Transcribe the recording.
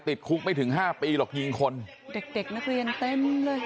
ติดคุกไม่ถึงห้าปีหรอกยิงคนเด็กเด็กนักเรียนเต็มเลย